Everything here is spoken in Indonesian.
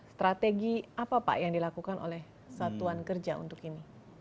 strategi apa pak yang dilakukan oleh satuan kerja untuk ini